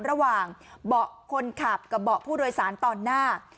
ระหว่างเบาะคนขับกับเบาะผู้โดยสารตอนหน้า